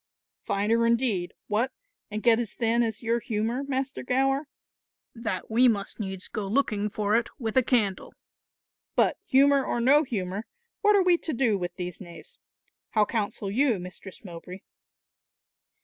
"Finer indeed what, and get as thin as your humour, Master Gower, that we must needs go looking for it with a candle. But humour or no humour, what are we to do with these knaves? How counsel you, Mistress Mowbray?"